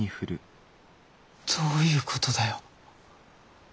どういうことだよ。